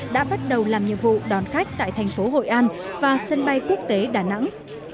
đã bắt đầu làm nhiệm vụ đón khách tại thành phố hội an và sân bay quốc tế đà nẵng